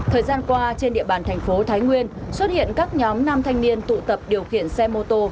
thời gian qua trên địa bàn thành phố thái nguyên xuất hiện các nhóm nam thanh niên tụ tập điều khiển xe mô tô